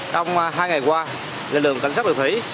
trong hai ngày qua lực lượng cảnh sát đường thủy